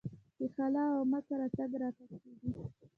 د خاله او عمه کره تګ راتګ کیږي.